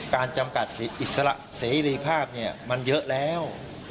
การจำกัดเสรีภาพเนี่ยมันเยอะแล้ว